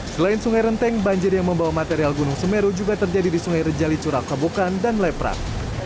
selain sungai renteng banjir yang membawa material gunung semeru juga terjadi di sungai rejali curang kabukan dan leprak